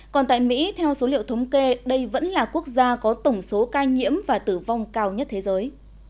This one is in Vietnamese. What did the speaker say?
còn tại mỹ theo số liệu thống kê đây vẫn là quốc gia có tổng số ca nhiễm và tử vong cao nhất thế giới